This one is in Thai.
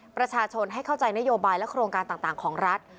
ประชาชนให้เข้าใจนโยบายและโครงการต่างของรัฐ